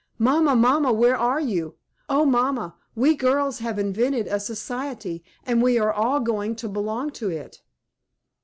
"Mamma, mamma, where are you? Oh, mamma, we girls have invented a society, and we are all going to belong to it."